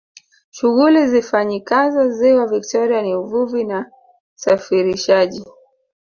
shughuli zifanyikazo ziwa victoria ni uvuvi na safirishaji